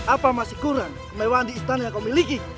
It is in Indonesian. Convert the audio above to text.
apa masih kurang kemewahan di istana yang kau miliki